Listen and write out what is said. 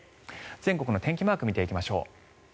全国の天気マークを見ていきましょう。